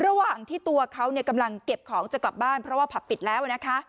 ระหว่างที่ตัวเขากำลังเก็บของจะกลับบ้านเพราะว่าผับปิดแล้วนะคะ